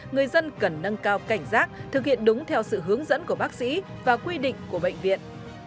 người dân cần nâng cao cảnh giác thực hiện đúng theo sự hướng dẫn của bác sĩ và quy định của bệnh viện